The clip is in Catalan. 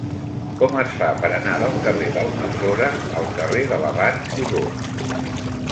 Com es fa per anar del carrer d'Almassora al carrer de l'Abat Odó?